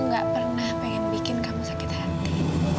gak pernah pengen bikin kamu sakit hati